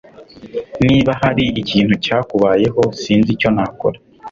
Niba hari ikintu cyakubayeho, sinzi icyo nakora.